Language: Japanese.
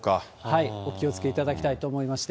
お気をつけいただきたいと思いまして。